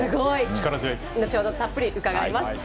後ほどたっぷり伺います。